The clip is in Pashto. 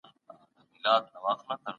په سیاست کي فزیکي ځواک کارول کیږي.